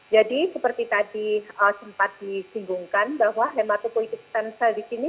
jadi seperti tadi sempat disinggungkan bahwa hematopoietic stem cell di sini